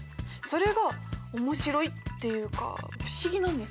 それが面白いっていうか不思議なんです。